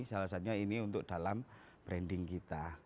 salah satunya ini untuk dalam branding kita